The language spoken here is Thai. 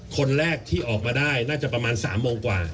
คนแรกที่ออกมาได้น่าจะประมาณ๓โมงกว่า